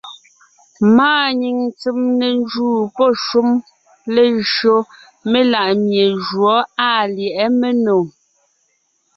Máa nyìŋ tsèm ne njúu pɔ́ shúm léjÿo melaʼmie jǔɔ àa lyɛ̌ʼɛ ménò.